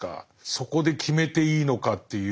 そこで決めていいのかっていう。